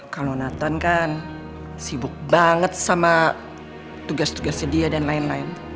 kalau naton kan sibuk banget sama tugas tugasnya dia dan lain lain